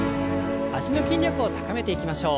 脚の筋力を高めていきましょう。